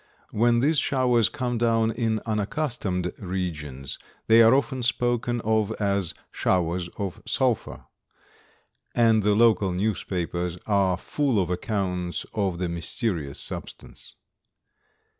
When these showers come down in unaccustomed regions they are often spoken of as "showers of sulphur," and the local newspapers are full of accounts of the mysterious substance.